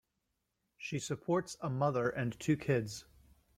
She supports a mother and two kids.